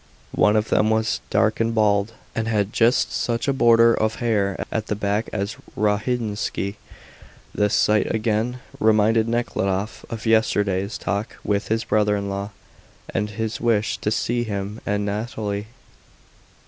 One of them was dark and bald, and had just such a border of hair at the back as Rogozhinsky. This sight again reminded Nekhludoff of yesterday's talk with his brother in law and his wish to see him and Nathalie.